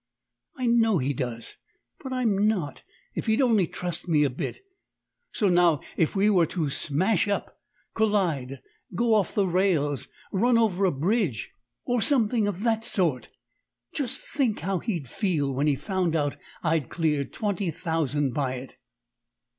I know he does. But I'm not, if he'd only trust me a bit. So now if we were to smash up collide, go off the rails, run over a bridge, or something of that sort just think how he'd feel when he found out I'd cleared twenty thousand by it!"